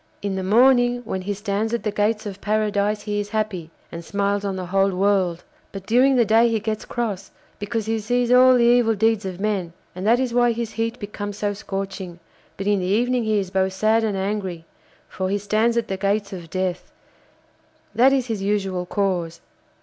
'In the morning when he stands at the gates of paradise he is happy, and smiles on the whole world, but during the day he gets cross, because he sees all the evil deeds of men, and that is why his heat becomes so scorching; but in the evening he is both sad and angry, for he stands at the gates of death; that is his usual course.